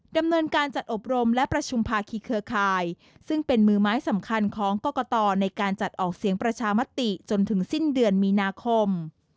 ดำเนินการจัดอบรมและประชุมภาคีเครือข่ายซึ่งเป็นมือไม้สำคัญของกรกตในการจัดออกเสียงประชามติจนถึงสิ้นเดือนมีนาคม